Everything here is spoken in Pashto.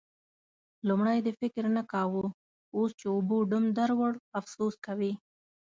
لومړی دې فکر نه کاوو؛ اوس چې اوبو ډم در وړ، افسوس کوې.